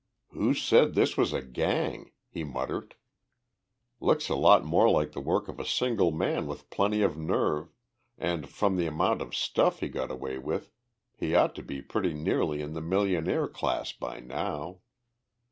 "Who said this was a gang?" he muttered. "Looks a lot more like the work of a single man with plenty of nerve and, from the amount of stuff he got away with, he ought to be pretty nearly in the millionaire class by now.